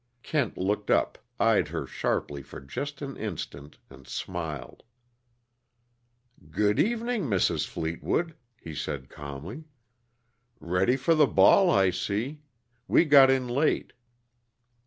Kent looked up, eyed her sharply for just an instant, and smiled. "Good evening, Mrs. Fleetwood," he said calmly. "Ready for the ball, I see. We got in late."